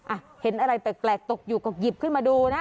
อ่ะเห็นอะไรแปลกตกอยู่ก็หยิบขึ้นมาดูนะ